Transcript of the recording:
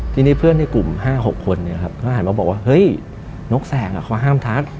ทีนี้เพื่อนในกลุ่ม๕๖คนเขาหันมาบอกว่าเฮ้ยนกแสงเขาห้ามทัก